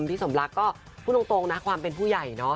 พี่สำรักษณ์ก็พูดตรงนะความเป็นผู้ใหญ่